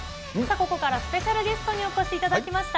ここからはスペシャルゲストにお越しいただきました。